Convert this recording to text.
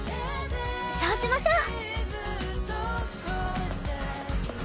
そうしましょう！